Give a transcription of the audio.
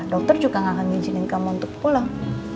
dokter juga gak akan izinkan kamu untuk pulang